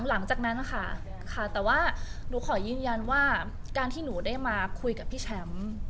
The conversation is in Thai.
หลังจากนั้นนะคะค่ะแต่ว่าหนูขอยืนยันว่าการที่หนูได้มาคุยกับพี่แชมป์